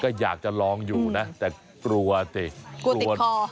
ก็อยากจะลองอยู่นะแต่กลัวสิกลัว